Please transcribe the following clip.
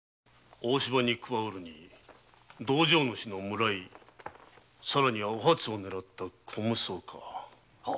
大柴に加うるに道場主の村井更にお初を狙った虚無僧か。